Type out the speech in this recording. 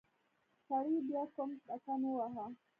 سړي بيا کوم بټن وواهه.